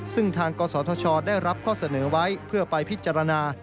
ซึ่งทางกศธชได้รับข้อเสนอไว้เพื่อไปพิจารณา